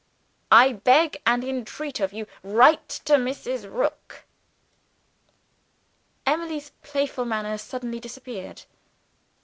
I beg and entreat of you, write to Mrs. Rook!" Emily's playful manner suddenly disappeared.